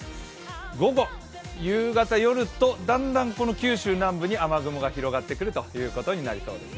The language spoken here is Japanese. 午後、夕方、夜とだんだん九州南部に雨雲が広がってくることになりそうです。